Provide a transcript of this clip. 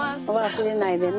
忘れないでね。